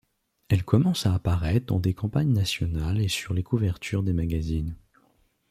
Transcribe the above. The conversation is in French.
Elle commence à apparaître dans des campagnes nationales et sur les couvertures des magazines.